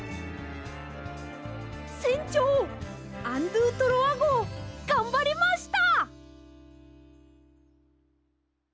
せんちょうアン・ドゥ・トロワごうがんばりました！